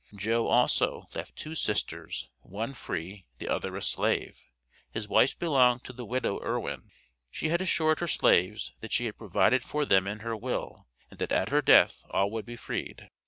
Joe, also, left two sisters, one free, the other a slave. His wife belonged to the widow Irwin. She had assured her slaves, that she had "provided for them in her will," and that at her death all would be freed.